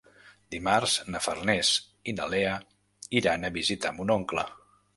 Dimarts na Farners i na Lea iran a visitar mon oncle.